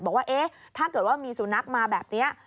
บอกว่าเอ๊ะถ้าเกิดว่ามีสุนัขมาแบบนี้